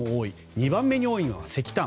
２番目に多いのが石炭。